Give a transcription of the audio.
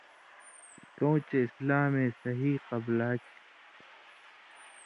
کؤں چے اسلامے صحیح قبلا چھی۔